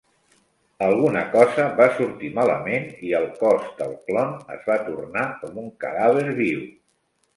Alguna cosa va sortir malament i el cos del clon es va tornar com un cadàver viu.